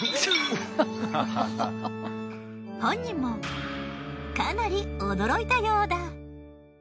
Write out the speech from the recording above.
本人もかなり驚いたようだ。